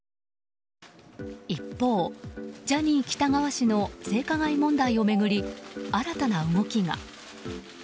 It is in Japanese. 一方、ジャニー喜多川氏の性加害問題を巡り、新たな動きが。